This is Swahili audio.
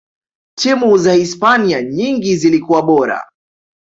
timu za hispania nyingi zilikuwa bora